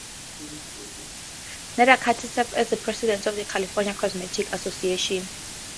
Nethercutt served as the President of the California Cosmetics Association.